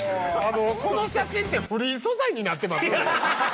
この写真ってフリー素材になってます？